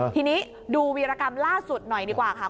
ทีนี้ดูวีรกรรมล่าสุดหน่อยดีกว่าค่ะ